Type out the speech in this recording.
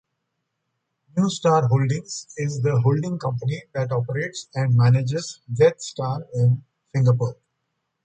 Newstar Holdings is the holding company that operates and manages Jetstar in Singapore.